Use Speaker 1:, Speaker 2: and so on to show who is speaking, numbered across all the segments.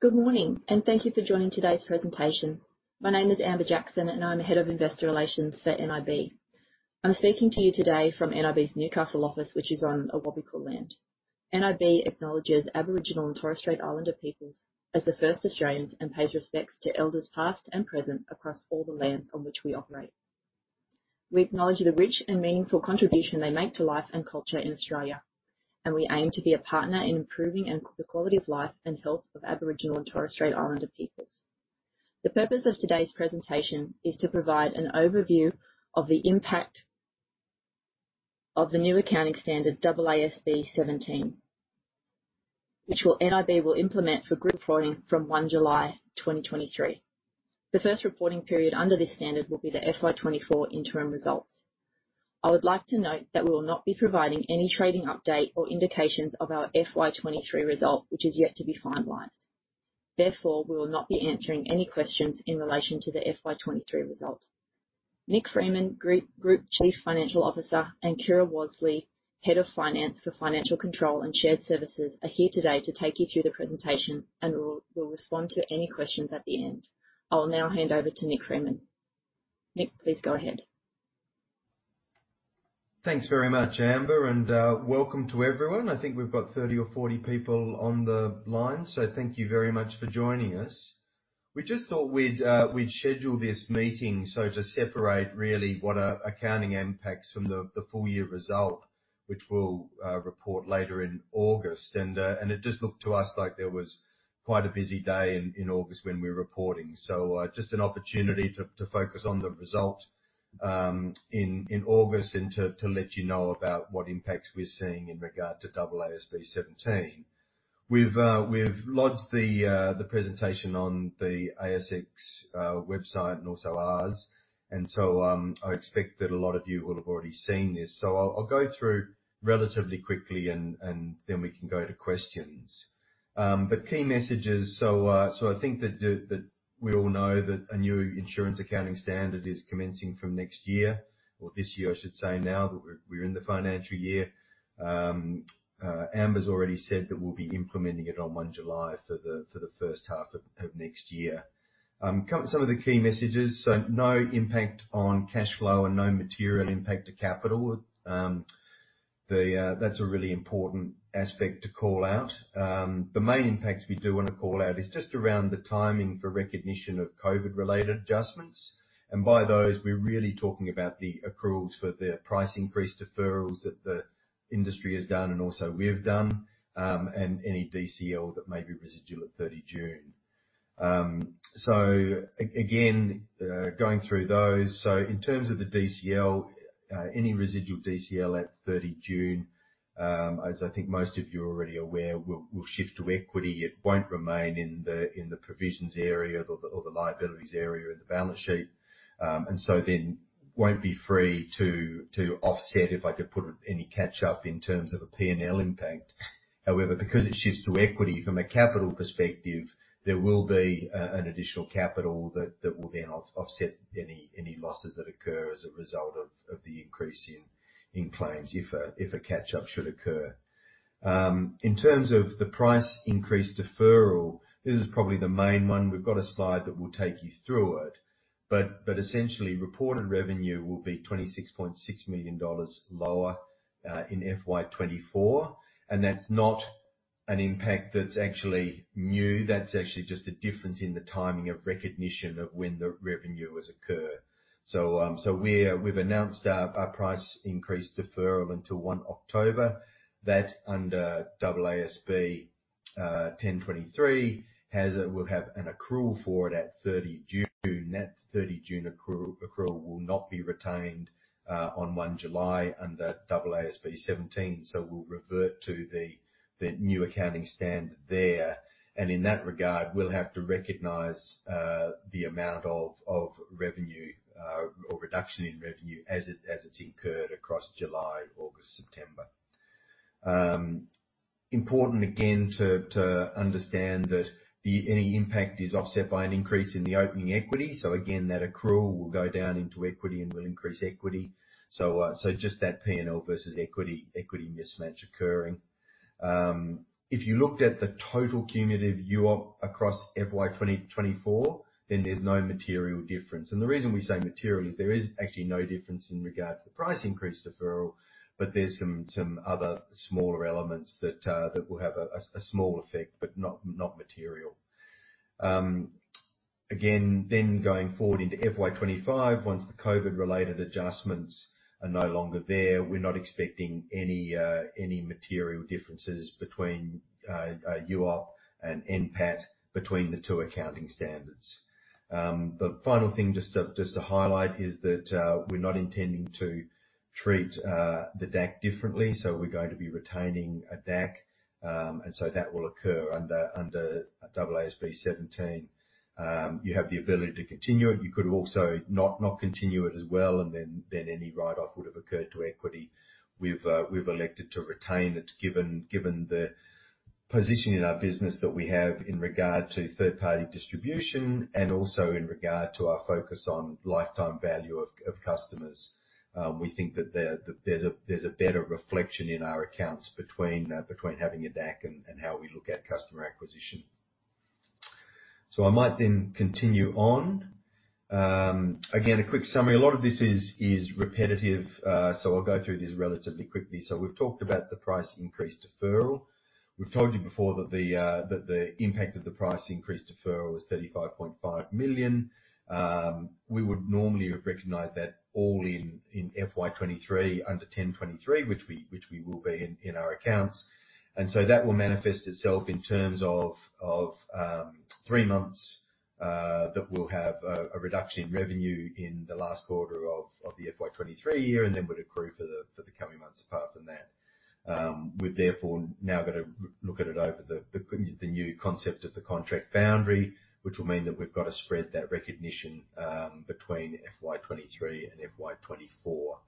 Speaker 1: Good morning. Thank you for joining today's presentation. My name is Amber Jackson, and I'm the Head of Investor Relations for NIB. I'm speaking to you today from NIB's Newcastle office, which is on Awabakal land. NIB acknowledges Aboriginal and Torres Strait Islander peoples as the first Australians, and pays respects to elders, past and present, across all the lands on which we operate. We acknowledge the rich and meaningful contribution they make to life and culture in Australia, and we aim to be a partner in improving the quality of life and health of Aboriginal and Torres Strait Islander peoples. The purpose of today's presentation is to provide an overview of the impact of the new accounting standard, AASB 17, which NIB will implement for group reporting from July 1, 2023. The first reporting period under this standard will be the FY 2024 interim results. I would like to note that we will not be providing any trading update or indications of our FY 2023 result, which is yet to be finalized. Therefore, we will not be answering any questions in relation to the FY 2023 result. Nick Freeman, Group Chief Financial Officer, and Kira Wadsley, Head of Finance for Financial Control and Shared Services, are here today to take you through the presentation, and will respond to any questions at the end. I will now hand over to Nick Freeman. Nick, please go ahead.
Speaker 2: Thanks very much, Amber, welcome to everyone. I think we've got 30 or 40 people on the line, so thank you very much for joining us. We just thought we'd, we'd schedule this meeting so to separate really what are accounting impacts from the, the full year result, which we'll report later in August. It just looked to us like there was quite a busy day in, in August when we're reporting. Just an opportunity to, to focus on the result in, in August, and to, let you know about what impacts we're seeing in regard to AASB seventeen. We've, we've lodged the, the presentation on the ASX website and also ours, and so, I expect that a lot of you will have already seen this. I'll, I'll go through relatively quickly and, and then we can go to questions. Key messages: I think that we all know that a new insurance accounting standard is commencing from next year, or this year, I should say, now that we're, we're in the financial year. Amber's already said that we'll be implementing it on 1 July for the, for the first half of, of next year. Some of the key messages, no impact on cash flow and no material impact to capital. That's a really important aspect to call out. The main impacts we do want to call out is just around the timing for recognition of COVID-related adjustments. By those, we're really talking about the approvals for the price increase deferrals that the industry has done, and also we have done, and any DCL that may be residual at 30 June. Again, going through those, so in terms of the DCL, any residual DCL at 30 June, as I think most of you are already aware, will, will shift to equity. It won't remain in the, in the provisions area or the, or the liabilities area in the balance sheet. Won't be free to, to offset, if I could put any catch-up in terms of a PNL impact. However, because it shifts to equity, from a capital perspective, there will be an additional capital that will then offset any losses that occur as a result of the increase in claims if a catch-up should occur. In terms of the price increase deferral, this is probably the main one. We've got a slide that will take you through it, essentially, reported revenue will be 26.6 million dollars lower in FY 2024. That's not an impact that's actually new. That's actually just a difference in the timing of recognition of when the revenue has occurred. We've announced our price increase deferral until 1 October. That, under AASB 1023, will have an accrual for it at 30 June. That 30 June accrual will not be retained on 1 July under AASB 17, so we'll revert to the new accounting standard there. In that regard, we'll have to recognize the amount of revenue or reduction in revenue as it, as it's incurred across July, August, September. Important, again, to understand that any impact is offset by an increase in the opening equity. Again, that accrual will go down into equity and will increase equity. Just that P&L versus equity, equity mismatch occurring. If you looked at the total cumulative UOP across FY 2024, there's no material difference. The reason we say material is there is actually no difference in regard to the price increase deferral, but there's some, some other smaller elements that will have a small effect, but not, not material. Again, then going forward into FY 2025, once the COVID-related adjustments are no longer there, we're not expecting any material differences between UOP and NPAT between the two accounting standards. The final thing just to, just to highlight is that we're not intending to treat the DAC differently, so we're going to be retaining a DAC. That will occur under AASB 17. You have the ability to continue it. You could also not, not continue it as well, and then, then any write-off would have occurred to equity. We've, we've elected to retain it, given, given the position in our business that we have in regard to third-party distribution, and also in regard to our focus on lifetime value of, of customers. We think that there, that there's a, there's a better reflection in our accounts between, between having a DAC and, and how we look at customer acquisition. I might then continue on. Again, a quick summary. A lot of this is, is repetitive, so I'll go through this relatively quickly. We've talked about the price increase deferral. We've told you before that the, that the impact of the price increase deferral was 35.5 million. We would normally have recognized that all in, FY 2023, under 1023, which we, which we will be in, in our accounts. So that will manifest itself in terms of, of 3 months, that will have a, a reduction in revenue in the last quarter of, of the FY 2023 year, then would accrue for the, for the coming months apart from that. We've therefore now got to look at it over the, the, the new concept of the contract boundary, which will mean that we've got to spread that recognition between FY 2023 and FY 2024.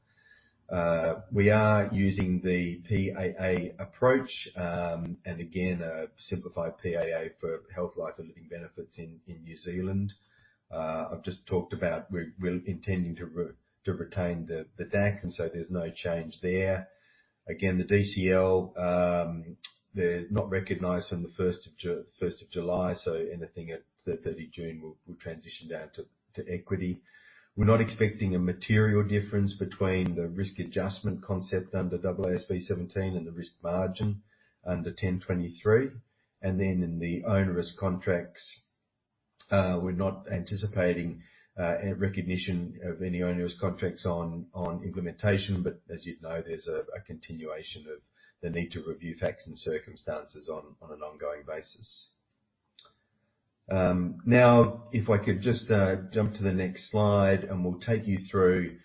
Speaker 2: We are using the PAA approach, and again, a simplified PAA for health life and living benefits in, in New Zealand. I've just talked about we're, we're intending to retain the, the DAC, and so there's no change there. Again, the DCL, they're not recognized from July 1, so anything at June 30 will transition down to equity. We're not expecting a material difference between the risk adjustment concept under AASB 17 and the risk margin under 1023. In the onerous contracts, we're not anticipating a recognition of any onerous contracts on implementation, but as you'd know, there's a continuation of the need to review facts and circumstances on an ongoing basis. Now, if I could just jump to the next slide, we'll take you through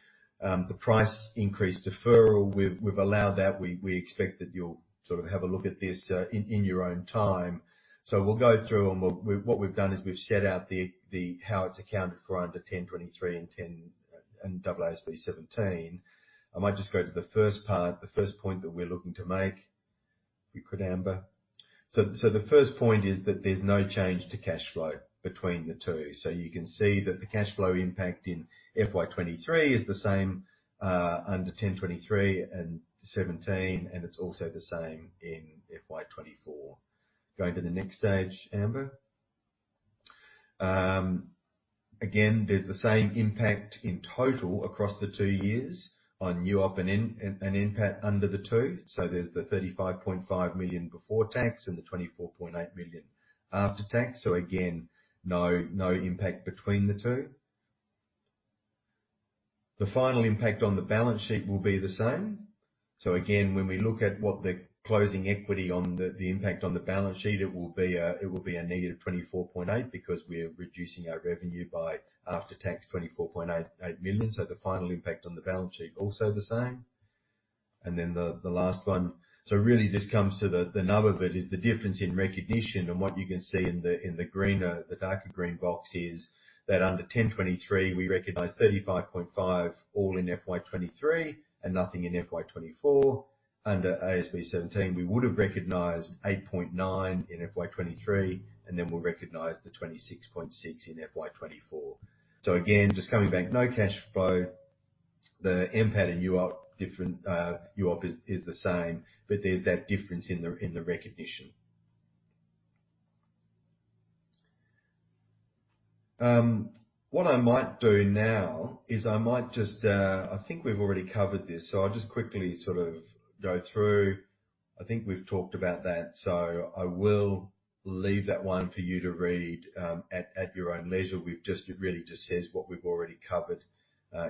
Speaker 2: the price increase deferral. We've allowed that. We expect that you'll sort of have a look at this in your own time. We'll go through and we'll. What we've done is we've set out the... how it's accounted for under 1023 and 10, and AASB 17. I might just go to the first part, the first point that we're looking to make. If you could, Amber. The first point is that there's no change to cash flow between the two. You can see that the cash flow impact in FY 23 is the same under 1023 and 17, and it's also the same in FY 24. Going to the next stage, Amber. Again, there's the same impact in total across the two years on UOP and NPAT under the two. There's the 35.5 million before tax and the 24.8 million after tax. Again, no impact between the two. The final impact on the balance sheet will be the same. Again, when we look at what the closing equity on the impact on the balance sheet, it will be a negative 24.8 because we are reducing our revenue by after-tax 24.88 million. The final impact on the balance sheet, also the same. Then the last one. Really, this comes to the nub of it, is the difference in recognition, and what you can see in the greener, the darker green box, is that under 1023, we recognize 35.5 million all in FY 2023 and nothing in FY 2024. Under AASB 17, we would have recognized 8.9 million in FY 2023, and then we'll recognize the 26.6 million in FY 2024. Again, just coming back, no cash flow. The NPAT and UOP different, UOP is, is the same, but there's that difference in the, in the recognition. What I might do now is I might just. I think we've already covered this, so I'll just quickly sort of go through. I think we've talked about that, so I will leave that one for you to read, at, at your own leisure. We've just, it really just says what we've already covered,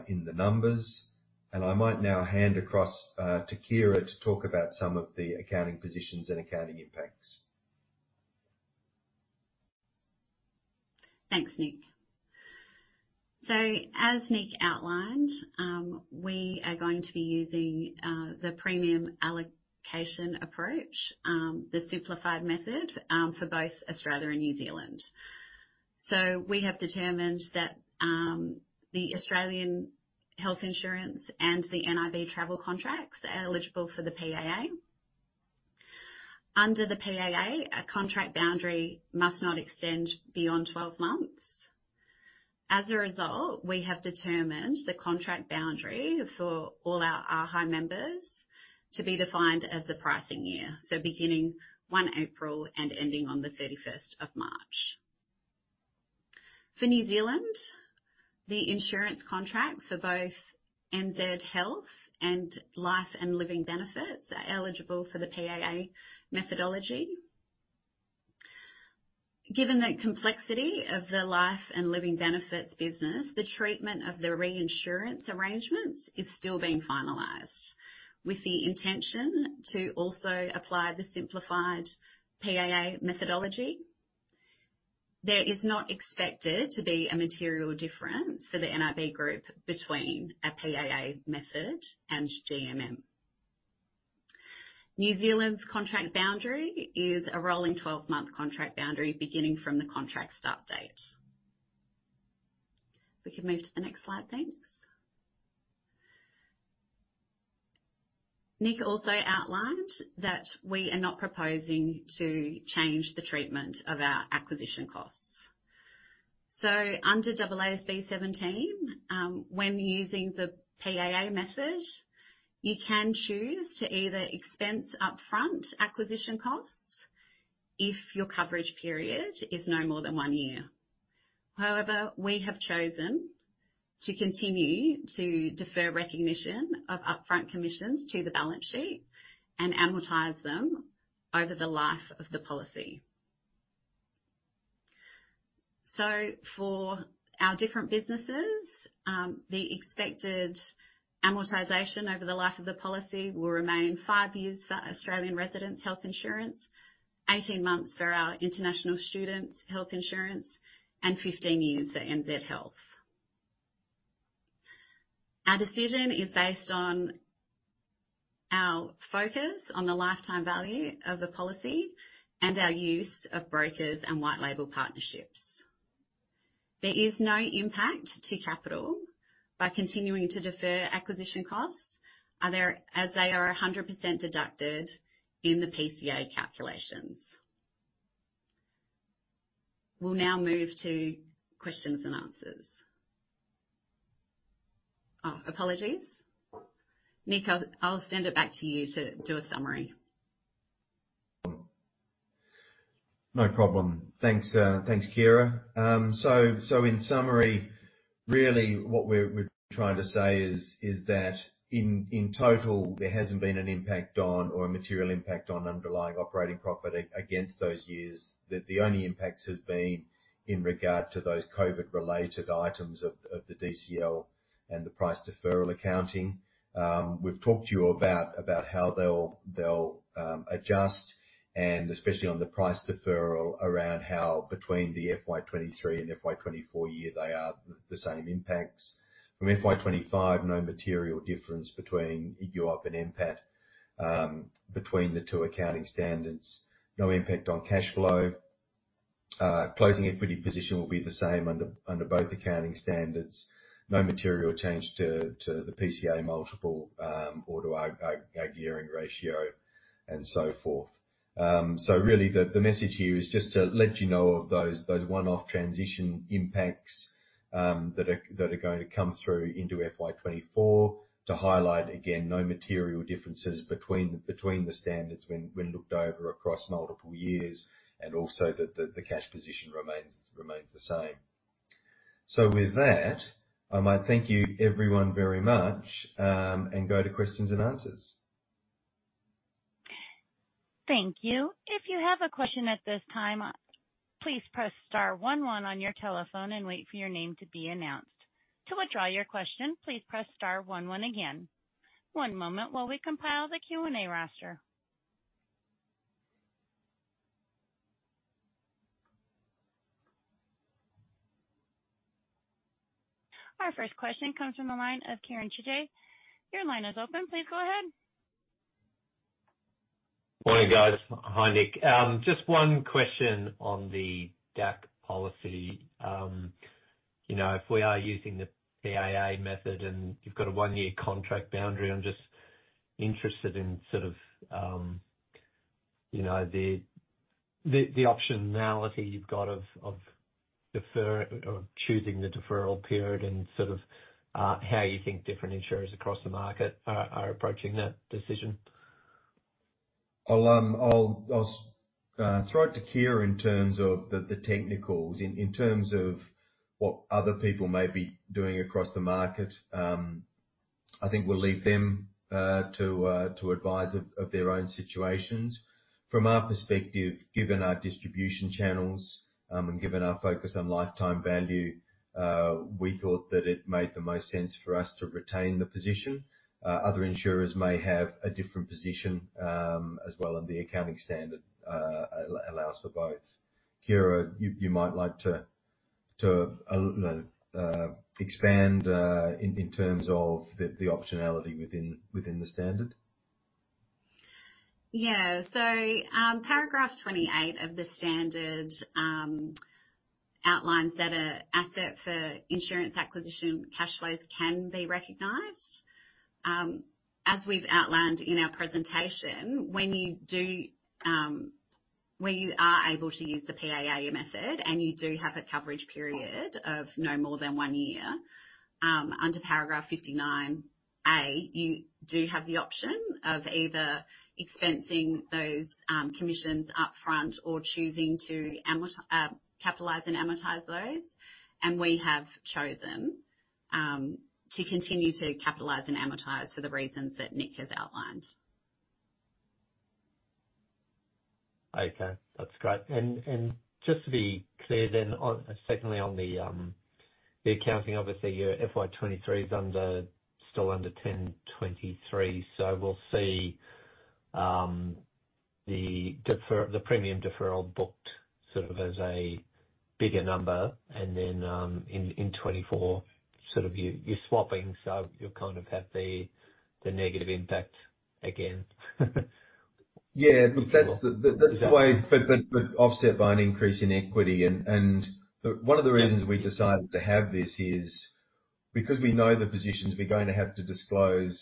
Speaker 2: in the numbers. I might now hand across to Kira to talk about some of the accounting positions and accounting impacts.
Speaker 3: Thanks, Nick. As Nick outlined, we are going to be using the premium allocation approach, the simplified method, for both Australia and New Zealand. We have determined that the Australian health insurance and the NIB travel contracts are eligible for the PAA. Under the PAA, a contract boundary must not extend beyond 12 months. As a result, we have determined the contract boundary for all our AHI members to be defined as the pricing year, beginning April 1 and ending on March 31. For New Zealand, the insurance contracts for both NZ Health and Life and Living Benefits are eligible for the PAA methodology. Given the complexity of the Life and Living Benefits business, the treatment of the reinsurance arrangements is still being finalized, with the intention to also apply the simplified PAA methodology. There is not expected to be a material difference for the NIB Group between a PAA method and GMM. New Zealand's contract boundary is a rolling 12-month contract boundary, beginning from the contract start date. We can move to the next slide, thanks. Nick also outlined that we are not proposing to change the treatment of our acquisition costs. Under AASB17, when using the PAA method, you can choose to either expense upfront acquisition costs if your coverage period is no more than 1 year. However, we have chosen to continue to defer recognition of upfront commissions to the balance sheet and amortize them over the life of the policy. For our different businesses, the expected amortization over the life of the policy will remain 5 years for Australian residents health insurance, 18 months for our international students health insurance, and 15 years for NZ Health. Our decision is based on our focus on the lifetime value of the policy and our use of brokers and white label partnerships. There is no impact to capital by continuing to defer acquisition costs, as they are 100% deducted in the PCA calculations. We'll now move to questions and answers. Oh, apologies. Nick, I'll send it back to you to do a summary.
Speaker 2: No problem. Thanks, thanks, Kira. In summary, really what we're trying to say is that in total, there hasn't been an impact on or a material impact on underlying operating profit against those years. The only impacts have been in regard to those COVID-related items of the DCL and the price deferral accounting. We've talked to you about how they'll adjust, and especially on the price deferral, around how between the FY 2023 and FY 2024 year, they are the same impacts. From FY 2025, no material difference between UOP and NPAT between the two accounting standards. No impact on cash flow. Closing equity position will be the same under both accounting standards. No material change to the PCA multiple or to our gearing ratio and so forth. Really, the, the message here is just to let you know of those, those one-off transition impacts, that are, that are going to come through into FY 2024. To highlight, again, no material differences between, between the standards when, when looked over across multiple years, and also that the, the cash position remains, remains the same. With that, I might thank you everyone very much, and go to questions and answers.
Speaker 4: Thank you. If you have a question at this time, please press star one on your telephone and wait for your name to be announced. To withdraw your question, please press star one again. One moment while we compile the Q&A roster. Our first question comes from the line of Karen Cho. Your line is open. Please go ahead.
Speaker 5: Morning, guys. Hi, Nick. Just 1 question on the DAC policy. If we are using the PAA method and you've got a 1-year contract boundary, I'm just interested in sort of, the optionality you've got of, or choosing the deferral period, and sort of, how you think different insurers across the market are, are approaching that decision.
Speaker 2: I'll, throw it to Kira in terms of the, the technicals. In, in terms of what other people may be doing across the market, I think we'll leave them to advise of their own situations. From our perspective, given our distribution channels, and given our focus on lifetime value, we thought that it made the most sense for us to retain the position. Other insurers may have a different position as well, and the accounting standard allows for both. Kira, you, you might like to, to expand in terms of the, the optionality within, within the standard.
Speaker 3: Yeah. Paragraph 28 of the standard outlines that a asset for insurance acquisition cash flows can be recognized. As we've outlined in our presentation, when you are able to use the PAA method, and you do have a coverage period of no more than 1 year, under paragraph 59 A, you do have the option of either expensing those commissions up front or choosing to capitalize and amortize those. We have chosen to continue to capitalize and amortize for the reasons that Nick has outlined.
Speaker 5: Okay, that's great. Just to be clear then on, secondly, on the accounting, obviously, your FY 2023 is under, still under 1023. We'll see the premium deferral booked sort of as a bigger number, and then in 2024, sort of, you, you're swapping, so you'll kind of have the negative impact again.
Speaker 2: Yeah, look, that's.
Speaker 5: Yeah.
Speaker 2: That's the way, but offset by an increase in equity. One of the reasons we decided to have this because we know the positions, we're going to have to disclose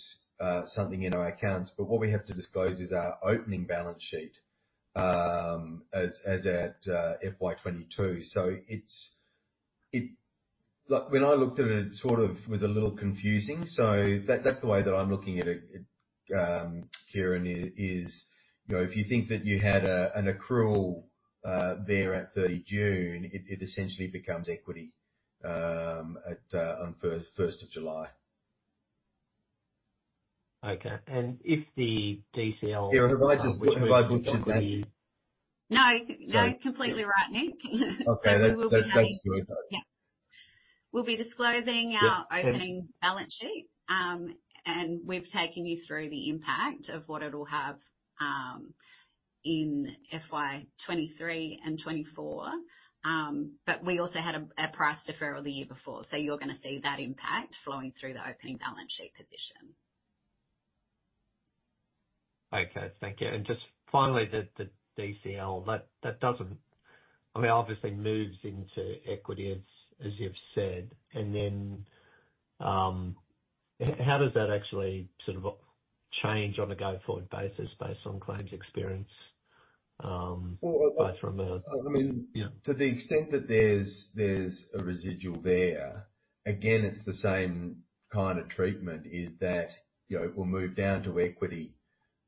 Speaker 2: something in our accounts. What we have to disclose is our opening balance sheet as at FY 2022. It's, Look, when I looked at it, it sort of was a little confusing. That, that's the way that I'm looking at it, Kieran, is, if you think that you had an accrual there at 30 June, it essentially becomes equity at on 1st of July.
Speaker 5: Okay. if the DCL.
Speaker 2: Yeah, have I just, have I butchered that?
Speaker 3: No.
Speaker 2: So.
Speaker 3: No, completely right, Nick.
Speaker 2: Okay.
Speaker 3: We will
Speaker 2: That's, that's good, though.
Speaker 3: Yeah. We'll be disclosing our-
Speaker 2: Yeah
Speaker 3: Opening balance sheet. We've taken you through the impact of what it'll have, in FY 2023 and 2024. We also had a, a price deferral the year before. You're gonna see that impact flowing through the opening balance sheet position.
Speaker 5: Okay. Thank you. Just finally, the DCL, that, that doesn't I mean, obviously moves into equity, as, as you've said. Then, how does that actually sort of change on a go-forward basis, based on claims experience, by from.
Speaker 2: I mean.
Speaker 5: Yeah.
Speaker 2: To the extent that there's, there's a residual there, again, it's the same kind of treatment, is that, it will move down to equity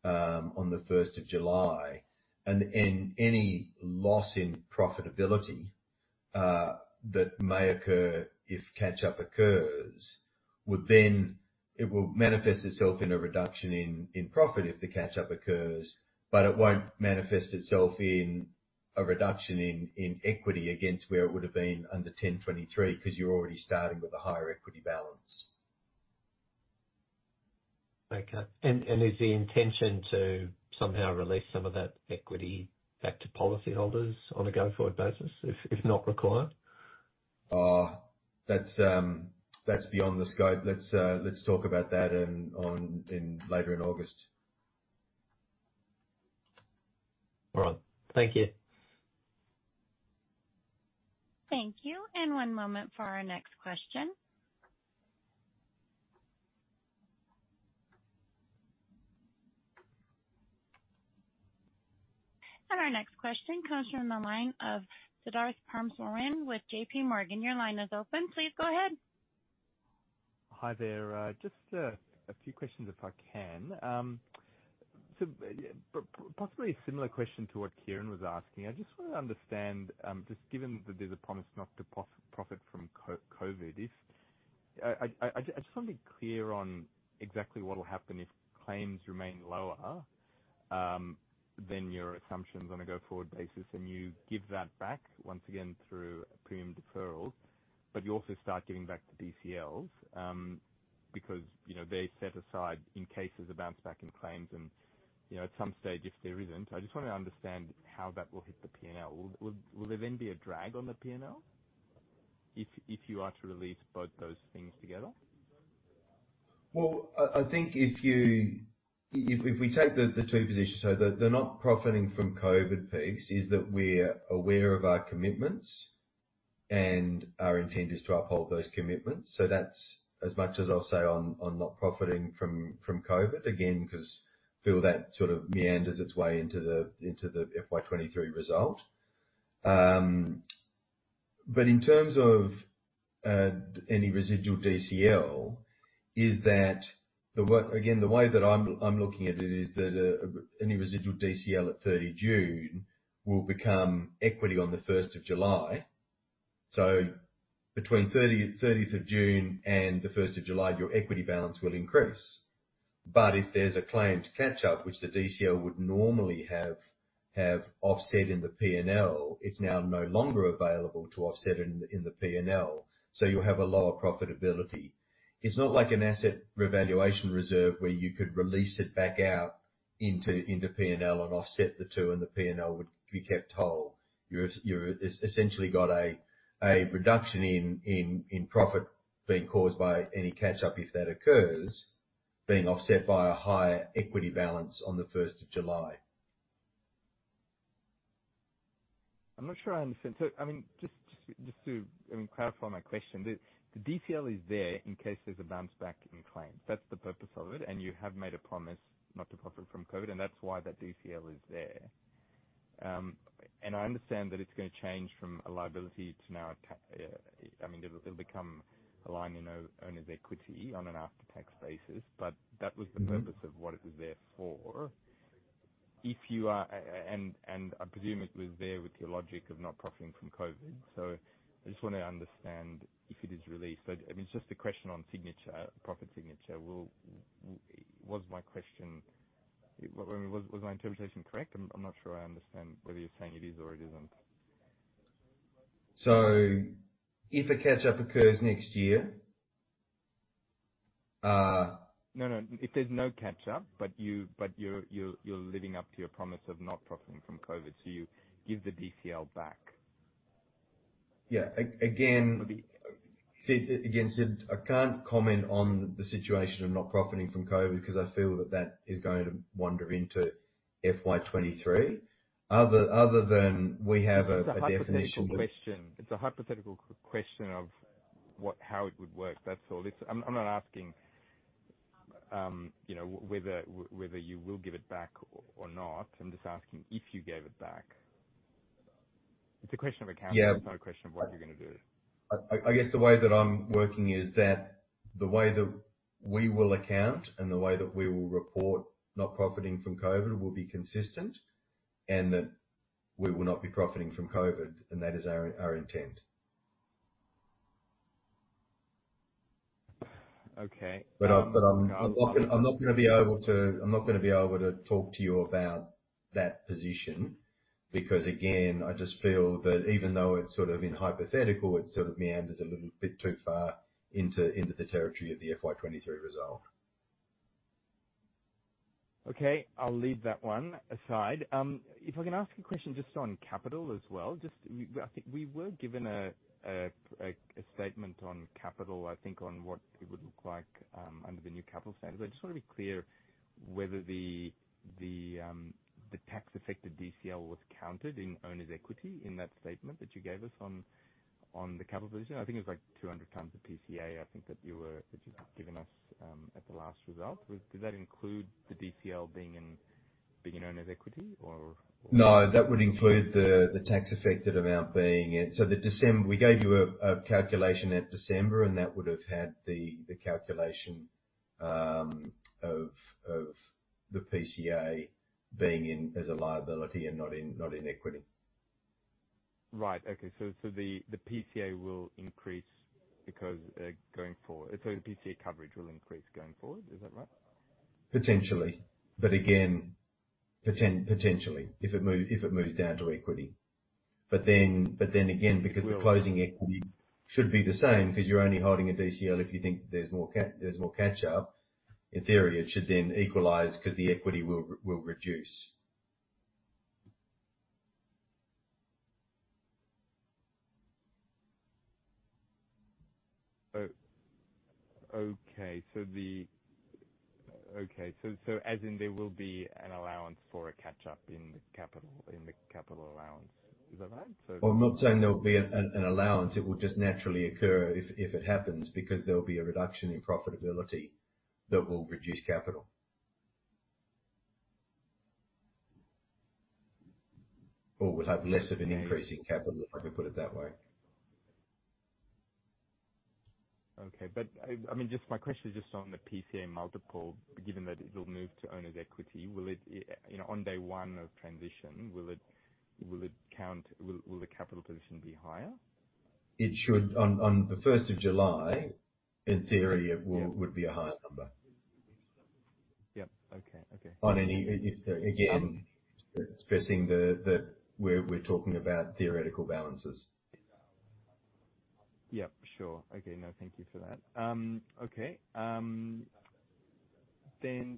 Speaker 2: on the 1st of July. And any loss in profitability that may occur if catch-up occurs. It will manifest itself in a reduction in, in profit if the catch-up occurs, but it won't manifest itself in a reduction in, in equity against where it would've been under 1023, because you're already starting with a higher equity balance.
Speaker 5: Okay. And is the intention to somehow release some of that equity back to policyholders on a go-forward basis, if, if not required?
Speaker 2: That's, that's beyond the scope. Let's, let's talk about that in later in August.
Speaker 5: All right. Thank you.
Speaker 4: Thank you, and one moment for our next question. Our next question comes from the line of Siddharth Parameswaran with J.P. Morgan. Your line is open. Please go ahead.
Speaker 6: Hi there. Just a few questions, if I can. B- p- possibly a similar question to what Kieran was asking. I just want to understand, just given that there's a promise not to prof-profit from C-COVID, if I just want to be clear on exactly what will happen if claims remain lower than your assumptions on a go-forward basis, and you give that back once again through a premium deferral, but you also start giving back the DCLs, because, you know, they're set aside in case there's a bounce back in claims. You know, at some stage, if there isn't, I just want to understand how that will hit the P&L. Will, will, will there then be a drag on the P&L, if, if you are to release both those things together?
Speaker 2: Well, I think if you take the two positions, the not profiting from COVID piece, is that we're aware of our commitments, and our intent is to uphold those commitments. That's as much as I'll say on not profiting from COVID, because feel that sort of meanders its way into the FY 2023 result. In terms of any residual DCL, is that again, the way that I'm looking at it is that any residual DCL at 30 June will become equity on the 1st of July. Between 30, 30th of June and the 1st of July, your equity balance will increase. If there's a claims catch-up, which the DCL would normally have, have offset in the P&L, it's now no longer available to offset in, in the P&L, so you'll have a lower profitability. It's not like an asset revaluation reserve, where you could release it back out into, into P&L and offset the two, and the P&L would be kept whole. You're, you're essentially got a, a reduction in, in, in profit being caused by any catch-up, if that occurs, being offset by a higher equity balance on the first of July.
Speaker 6: I'm not sure I understand. I mean, clarify my question, the DCL is there in case there's a bounce back in claims. That's the purpose of it, and you have made a promise not to profit from COVID, and that's why that DCL is there. I understand that it's gonna change from a liability to now, I mean, it will become a line in owner's equity on an after-tax basis, but that was.
Speaker 2: Mm-hmm.
Speaker 6: The purpose of what it was there for. If you are... I presume it was there with your logic of not profiting from COVID, I just want to understand if it is released. I mean, it's just a question on signature, profit signature. Was my question... Was my interpretation correct? I'm not sure I understand whether you're saying it is or it isn't.
Speaker 2: If a catch-up occurs next year.
Speaker 6: No, no, if there's no catch-up, but you, but you're, you're, you're living up to your promise of not profiting from COVID, so you give the DCL back.
Speaker 2: Yeah. again,
Speaker 6: I mean.
Speaker 2: again, Sid, I can't comment on the situation of not profiting from COVID, because I feel that that is going to wander into FY 23. Other than we have a definition...
Speaker 6: It's a hypothetical question. It's a hypothetical question of what, how it would work, that's all. I'm, not asking, whether, whether you will give it back or, or not. I'm just asking if you gave it back. It's a question of accounting.
Speaker 2: Yeah.
Speaker 6: It's not a question of what you're gonna do.
Speaker 2: I guess the way that I'm working is that the way that we will account and the way that we will report not profiting from COVID will be consistent, and that we will not be profiting from COVID, and that is our, our intent.
Speaker 6: Okay.
Speaker 2: I'm, but I'm not, I'm not gonna be able to... I'm not gonna be able to talk to you about that position because, again, I just feel that even though it's sort of in hypothetical, it sort of meanders a little bit too far into, into the territory of the FY 23 result.
Speaker 6: Okay, I'll leave that one aside. If I can ask a question just on capital as well, just, we, I think we were given a statement on capital, I think, on what it would look like under the new capital standards. I just want to be clear whether the, the tax effect of DCL was counted in owners' equity in that statement that you gave us on, on the capital position. I think it was, like, 200 times the PCA, I think that you'd given us at the last result. Did that include the DCL being in, being in owners' equity, or?
Speaker 2: No, that would include the, the tax-affected amount being in. The December we gave you a, a calculation at December, and that would've had the, the calculation of, of the PCA being in as a liability and not in, not in equity.
Speaker 6: Right. Okay. so the PCA will increase because. PCA coverage will increase going forward. Is that right?
Speaker 2: Potentially. Again, potentially, if it moves down to equity. Then, again, because we're closing equity, should be the same, because you're only holding a DCL if you think there's more catch-up. In theory, it should then equalize because the equity will reduce.
Speaker 6: Oh, okay. Okay, so as in, there will be an allowance for a catch-up in the capital, in the capital allowance. Is that right?
Speaker 2: Well, I'm not saying there will be an allowance. It will just naturally occur if it happens, because there will be a reduction in profitability that will reduce capital. Would have less of an increase in capital, if I could put it that way.
Speaker 6: Okay. I mean, just my question is just on the PCA multiple, given that it'll move to owners' equity, will it, on day one of transition, will it, will it count. Will the capital position be higher?
Speaker 2: It should. On the first of July, in theory, it would be a higher number.
Speaker 6: Yeah. Okay, okay.
Speaker 2: On any, if, again, stressing the, we're talking about theoretical balances.
Speaker 6: Yeah, sure. Okay. No, thank you for that. Okay.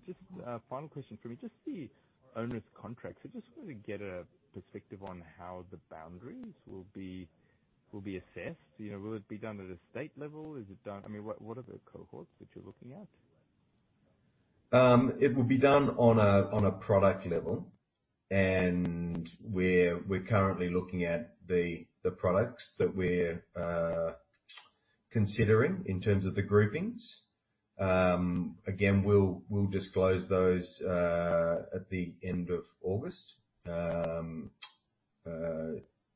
Speaker 6: Just a final question for me. Just the onerous contracts. I just want to get a perspective on how the boundaries will be, will be assessed. Will it be done at a state level? Is it done? I mean, what are the cohorts that you're looking at?
Speaker 2: It will be done on a, on a product level, and we're, we're currently looking at the, the products that we're considering in terms of the groupings. Again, we'll, we'll disclose those at the end of August.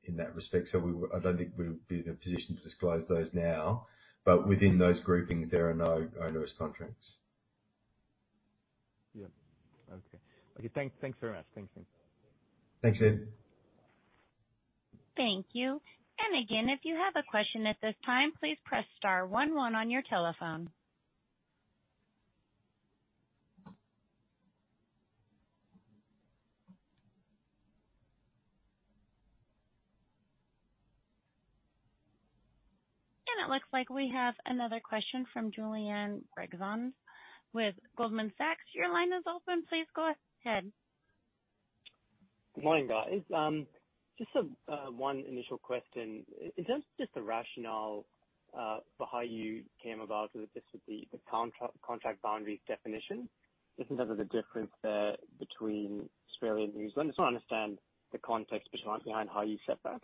Speaker 2: In that respect, I don't think we'll be in a position to disclose those now, but within those groupings, there are no onerous contracts.
Speaker 6: Yeah. Okay. Okay, thanks, thanks very much. Thanks.
Speaker 2: Thanks, Ian.
Speaker 4: Thank you. Again, if you have a question at this time, please press star 1, 1 on your telephone. It looks like we have another question from Julianna Garrard with Goldman Sachs. Your line is open. Please go ahead.
Speaker 7: Morning, guys. Just one initial question. In terms of just the rationale for how you came about with this, with the contract boundaries definition, just in terms of the difference between Australia and New Zealand. I just want to understand the context behind, behind how you set that.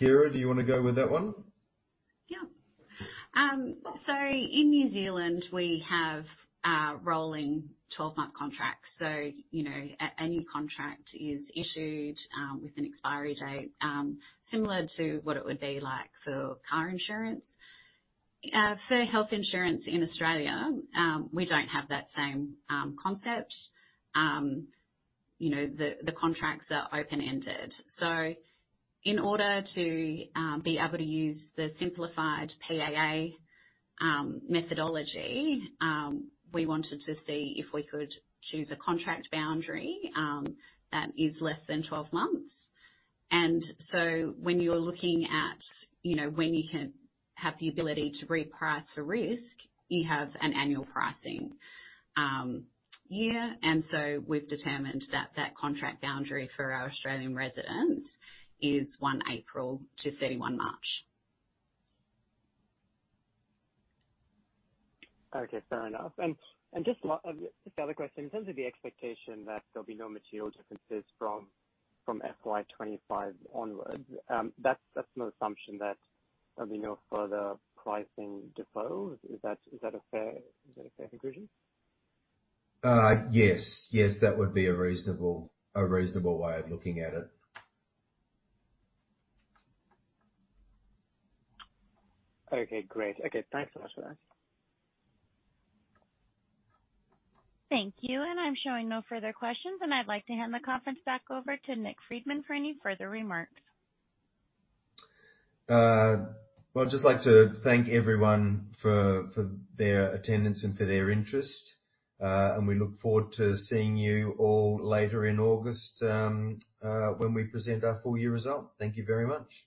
Speaker 2: Kira, do you want to go with that one?
Speaker 3: Yeah. In New Zealand, we have rolling 12-month contracts. Any contract is issued with an expiry date, similar to what it would be like for car insurance. For health insurance in Australia, we don't have that same concept. You know, the contracts are open-ended. In order to be able to use the simplified PAA methodology, we wanted to see if we could choose a contract boundary that is less than 12 months. When you're looking at when you can have the ability to reprice for risk, you have an annual pricing year. We've determined that that contract boundary for our Australian residents is 1 April to 31 March.
Speaker 7: Okay, fair enough. Just one, just the other question: In terms of the expectation that there'll be no material differences from, from FY 25 onwards, that's, that's an assumption that there'll be no further pricing deferrals. Is that, is that a fair, is that a fair conclusion?
Speaker 2: Yes. Yes, that would be a reasonable, a reasonable way of looking at it.
Speaker 7: Okay, great. Okay, thanks so much for that.
Speaker 4: Thank you. I'm showing no further questions, and I'd like to hand the conference back over to Nick Freeman for any further remarks.
Speaker 2: Well, I'd just like to thank everyone for, for their attendance and for their interest. We look forward to seeing you all later in August, when we present our full year results. Thank you very much.